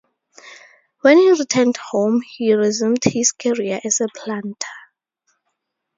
When he returned home he resumed his career as a planter.